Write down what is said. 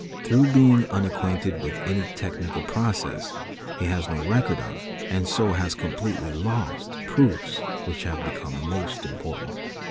Through being unacquainted with a technical process, he has no record of, and so has completely lost, Dro which have become most important.